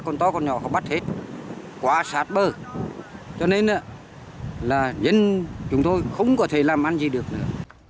nhưng chúng tôi không có thể làm ăn gì được nữa